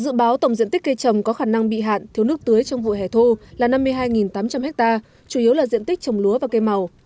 dự báo tổng diện tích cây trồng có khả năng bị hạn thiếu nước tưới trong vụ hẻ thu là năm mươi hai tám trăm linh ha chủ yếu là diện tích trồng lúa và cây màu